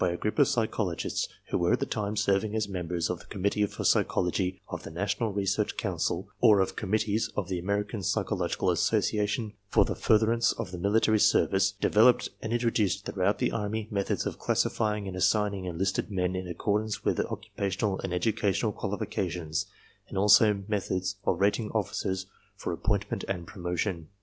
INTRODUCTION ix group of psychologists who were at the time serving as members of the Committee for Psychology of the National Research Council or of committees of the American Psychological Asso ciation for the furtherance of the military service, developed and introduced throughout the army methods of classifying and assigning enlisted men in accordance with occupationaN and educational qualifications and also methods of rating officers for appointment and promotion.